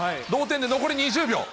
同点で残り２０秒。